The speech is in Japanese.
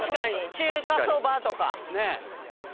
「中華そば」とか。